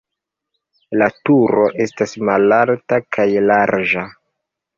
La turo estas malalta kaj larĝa.